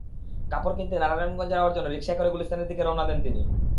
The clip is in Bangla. কাপড় কিনতে নারায়ণগঞ্জ যাওয়ার জন্য রিকশায় করে গুলিস্তানের দিকে রওনা দেন তিনি।